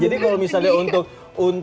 jadi kalau misalnya untuk buka puasa